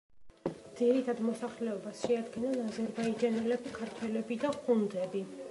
ძირითად მოსახლეობას შეადგენენ აზერბაიჯანელები, ქართველები და ხუნძები.